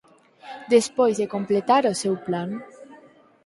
Despois de completar o seu plan.